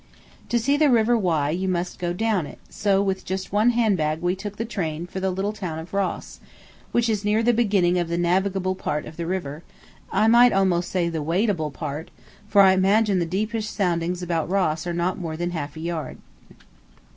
To see the River Wye you must go down it, so with just one handbag we took the train for the little town of Ross, which is near the beginning of the navigable part of the river I might almost say the wadeable part, for I imagine the deepest soundings about Ross are not more than half a yard.